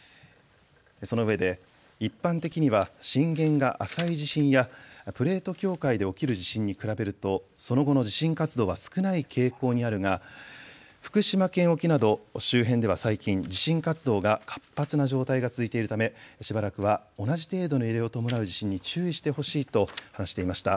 そのうえで、一般的には震源が浅い地震やプレート境界で起きる地震に比べるとその後の地震活動は少ない傾向にあるが福島県沖など周辺では最近、地震活動が活発な状態が続いているため、しばらくは同じ程度の揺れを伴う地震に注意してほしいと話していました。